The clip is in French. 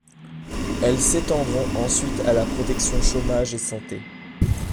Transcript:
Elles s'étendront ensuite à la protection chômage et santé.